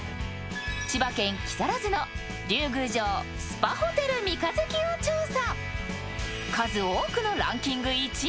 千葉県・木更津の龍宮城スパホテル三日月を調査。